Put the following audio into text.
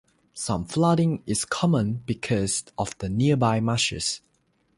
Some flooding is common because of the nearby marshes.